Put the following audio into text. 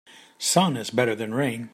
Sun is better than rain.